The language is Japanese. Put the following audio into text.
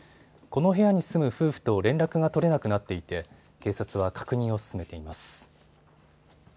この部屋に住む夫婦と連絡が取れなくなっていて警察は確認を進めています。